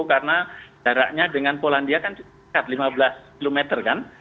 karena jaraknya dengan polandia kan lima belas km kan